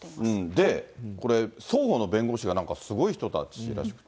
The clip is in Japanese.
で、これ、双方の弁護士がなんかすごい人たちらしくて。